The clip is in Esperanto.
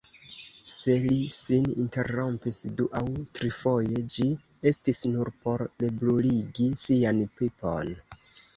Se li sin interrompis du aŭ trifoje, ĝi estis nur por rebruligi sian pipon.